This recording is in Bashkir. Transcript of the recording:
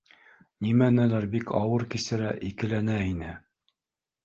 Нимәнелер бик ауыр кисерә, икеләнә ине